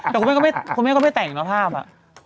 แต่คุณแม่ก็ไม่แต่งนะภาพอ่ะ